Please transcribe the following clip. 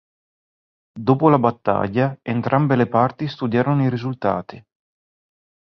Dopo la battaglia, entrambe le parti studiarono i risultati.